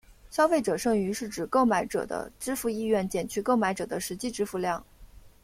消费者剩余是指购买者的支付意愿减去购买者的实际支付量。